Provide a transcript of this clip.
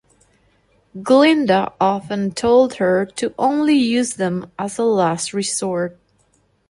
Glinda often told her to only use them as a last resort.